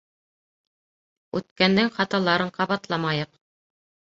Үткәндең хаталарын ҡабатламайыҡ.